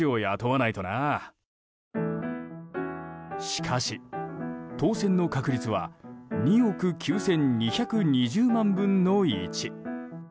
しかし、当せんの確率は２億９２２０万分の１。